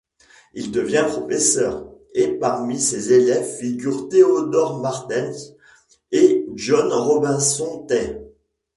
Il devient professeur, et parmi ses élèves figurent Theodor Martens et John Robinson Tait.